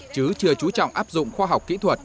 chứ chưa trú trọng áp dụng khoa học kỹ thuật